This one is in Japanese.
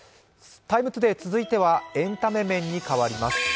「ＴＩＭＥ，ＴＯＤＡＹ」続いてはエンタメ面に変わります。